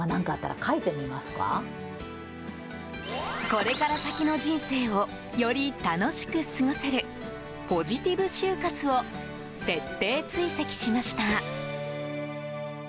これから先の人生をより楽しく過ごせるポジティブ終活を徹底追跡しました。